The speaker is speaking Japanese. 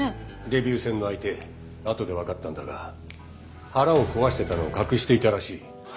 デビュー戦の相手後で分かったんだが腹を壊してたのを隠していたらしい。